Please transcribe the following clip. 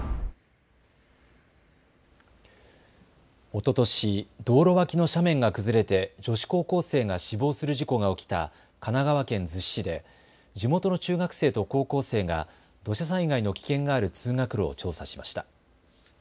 おととし、道路脇の斜面が崩れて女子高校生が死亡する事故が起きた神奈川県逗子市で地元の中学生と高校生が土砂災害の危険がある通学路を調査しました。